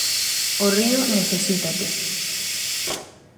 O río necesítate.